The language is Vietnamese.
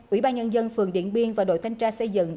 ủy ban nhân dân phường điện biên và đội thanh tra xây dựng